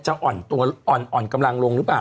อ่อนกำลังลงหรือเปล่า